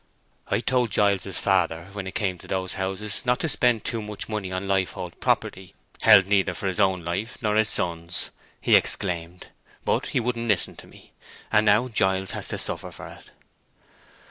"I told Giles's father when he came into those houses not to spend too much money on lifehold property held neither for his own life nor his son's," he exclaimed. "But he wouldn't listen to me. And now Giles has to suffer for it."